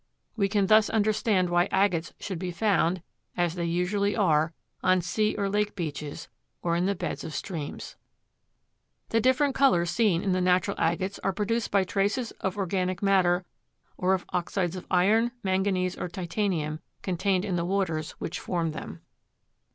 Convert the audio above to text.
We can thus understand why agates should be found, as they usually are, on sea or lake beaches, or in the beds of streams. The different colors seen in the natural agates are produced by traces of organic matter or of oxides of iron, manganese or titanium contained in the waters which formed them.